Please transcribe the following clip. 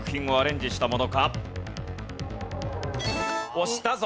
押したぞ。